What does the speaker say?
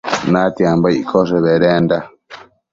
Natiambo iccoshe bedenda